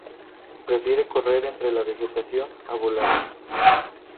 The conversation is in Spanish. Prefiere correr entre la vegetación a volar.